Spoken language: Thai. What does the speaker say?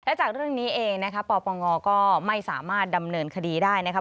และจากเรื่องนี้เองนะคะปปงก็ไม่สามารถดำเนินคดีได้นะครับ